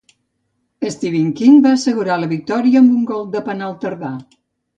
Steve Quinn va assegurar la victòria amb un gol de penal tardà.